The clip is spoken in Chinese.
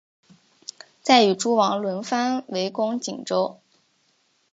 再与诸王轮番围攻锦州。